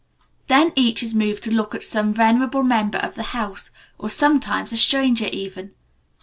Then each is made to look at some venerable member of the house, or sometimes a stranger even.